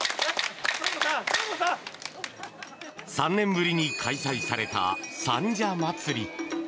３年ぶりに開催された三社祭。